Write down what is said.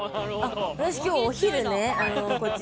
私きょうお昼ねこっち